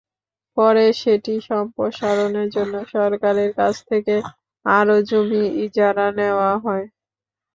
পরে সেটি সম্প্রসারণের জন্য সরকারের কাছ থেকে আরও জমি ইজারা নেওয়া হয়।